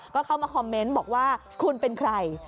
ก็เข้ามาคอมเมนต์บอกว่าคุณเป็นใคร